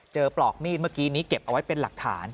ปลอกมีดเมื่อกี้นี้เก็บเอาไว้เป็นหลักฐาน